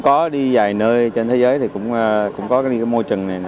có đi vài nơi trên thế giới thì cũng có cái môi trần này